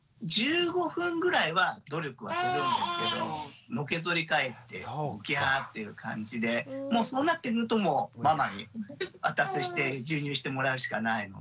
１５分ぐらいは努力はするんですけどのけぞりかえってギャーッていう感じでそうなってくるともうママに渡して授乳してもらうしかないので。